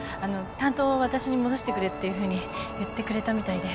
担当を私に戻してくれっていうふうに言ってくれたみたいで。